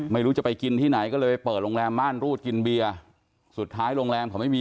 ไม่รู้จะไปกินที่ไหนก็เลยไปเปิดโรงแรมม่านรูดกินเบียร์